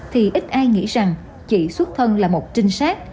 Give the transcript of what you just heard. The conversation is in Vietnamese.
thì ít ai nghĩ rằng chỉ xuất thân là một trinh sát